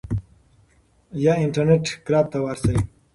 یا انټرنیټ کلب ته ورشئ.